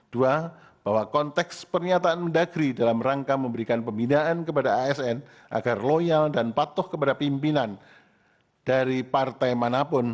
dua bahwa konteks pernyataan mendagri dalam rangka memberikan pembinaan kepada asn agar loyal dan patuh kepada pimpinan dari partai manapun